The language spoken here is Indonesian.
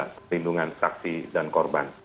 perlindungan saksi dan korban